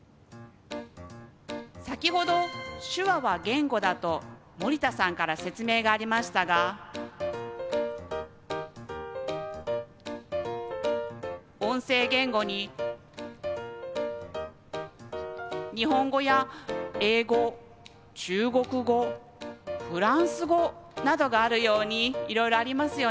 先ほど手話は言語だと森田さんから説明がありましたが音声言語に日本語や英語中国語フランス語などがあるようにいろいろありますよね。